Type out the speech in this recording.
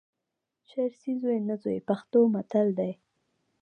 چرسي زوی نه زوی، پښتو متل دئ.